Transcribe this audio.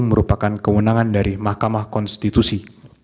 merupakan kewenangan dari mahkamah konstitusi